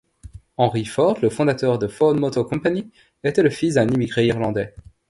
Henry Ford, le fondateur de Ford Motor Company, était le fils d'un immigré irlandais.